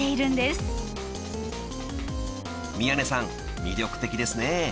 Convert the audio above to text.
［宮根さん魅力的ですね］